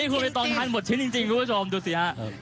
นี่ควรไม่ต้องทานหมดชิ้นจริงคุณผู้ชมดูเสีย